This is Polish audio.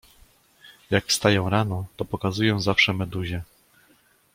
— Jak wstaję rano, to pokazuję zawsze Meduzie.